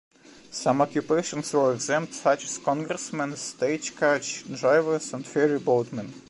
Some occupations were exempt, such as congressmen, stagecoach drivers, and ferryboatmen.